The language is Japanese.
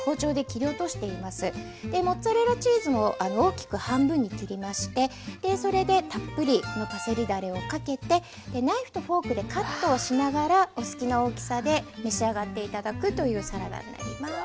モッツァレラチーズも大きく半分に切りましてそれでたっぷりのパセリだれをかけてナイフとフォークでカットをしながらお好きな大きさで召し上がって頂くというサラダになります。